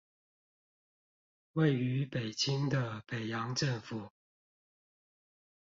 位於北京的北洋政府